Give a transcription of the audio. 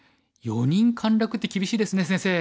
４人陥落って厳しいですね先生。